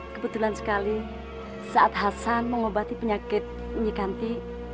kebetulan sekali saat hasan mengobati penyakit nyikanti